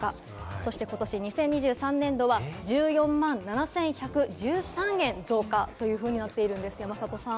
そして今年２０２３年度は１４万７１１３円増加というふうになってるんです。